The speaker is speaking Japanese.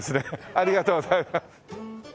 ありがとうございます。